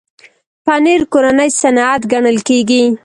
پنېر کورنی صنعت ګڼل کېږي.